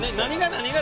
何が？